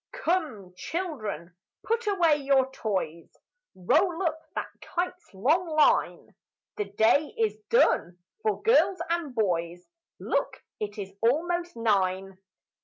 "Come, children, put away your toys; Roll up that kite's long line; The day is done for girls and boys Look, it is almost nine!